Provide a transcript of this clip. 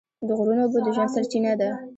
د غرونو اوبه د ژوند سرچینه ده.